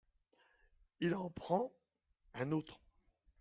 Il en prend un autre.